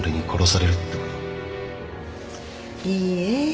いいえ。